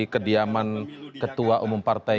kediaman ketua umum partai